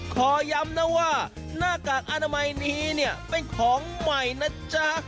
ขอย้ำนะว่าหน้ากากอนามัยนี้เนี่ยเป็นของใหม่นะจ๊ะ